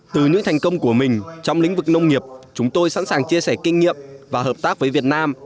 từ những thành công của mình trong lĩnh vực nông nghiệp chúng tôi sẵn sàng chia sẻ kinh nghiệm và hợp tác với việt nam